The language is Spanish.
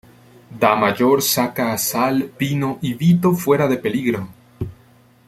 Da Mayor saca a Sal, Pino y Vito fuera de peligro.